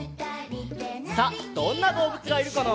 さあどんなどうぶつがいるかな？